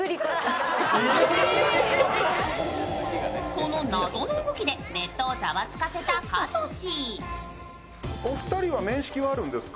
この謎の動きでネットをざわつかせた、かとし。